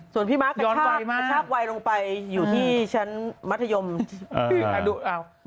ส่วนพี่มาสกระทราบวัยลงไปอยู่ที่ชั้นมรธยม